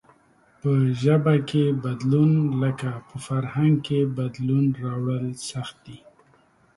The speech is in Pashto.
په ژبه کې بدلون لکه په فرهنگ کې بدلون راوړل سخت دئ.